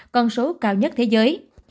con số cao nhất thế giới